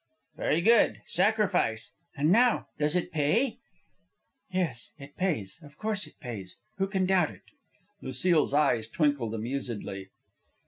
"Very good sacrifice. And, now, does it pay?" "Yes, it pays. Of course it pays. Who can doubt it?" Lucile's eyes twinkled amusedly.